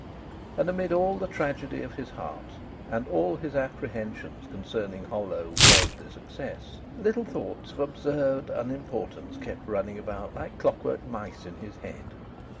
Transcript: And amid all the tragedy of his heart, and all his apprehensions concerning hollow, worldly success, little thoughts of absurd unimportance kept running about like clockwork mice in his head.